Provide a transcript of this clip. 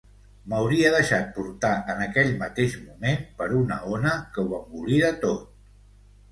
M’hauria deixat portar en aquell mateix moment per una ona que ho engolira tot.